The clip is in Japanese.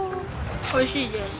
おいしいです？